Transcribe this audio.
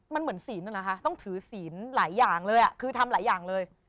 มันเหมือนศีลนั่นเหรอคะต้องถือศีลหลายอย่างเลยคือทำหลายอย่างเลย